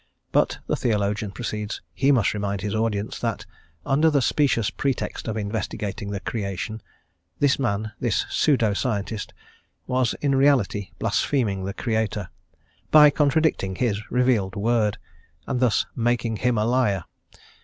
But, the theologian proceeds, he must remind his audience that, under the specious pretext of investigating the creation, this man, this pseudo scientist, was in reality blaspheming the Creator, by contradicting His revealed word, and thus "making Him a liar."